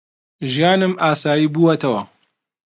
ژیانم ئاسایی بووەتەوە.